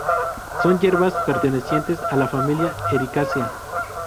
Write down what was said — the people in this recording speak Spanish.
Son hierbas pertenecientes a la familia Ericaceae.